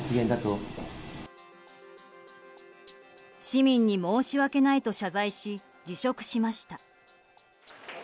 市民に申し訳ないと謝罪し辞職しました。